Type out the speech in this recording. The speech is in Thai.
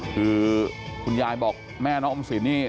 คือคุณยายบอกแม่น้องออมสินนี่